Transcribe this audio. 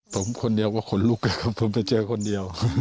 ผมคนเดียวก็ขนลุกเลยครับผมไปเจอคนเดียว